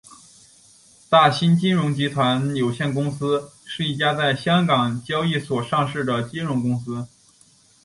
大新金融集团有限公司是一家在香港交易所上市的金融公司。